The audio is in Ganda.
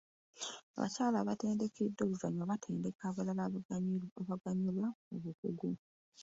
Abakyala abatendekeddwa oluvannyuma batendeka abalala abaganyulwa mu bukugu.